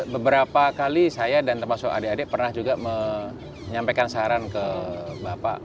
beberapa kali saya dan termasuk adik adik pernah juga menyampaikan saran ke bapak